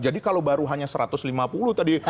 kalau baru hanya satu ratus lima puluh tadi